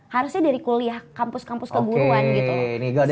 harusnya dari kuliah kampus kampus keguruan gitu loh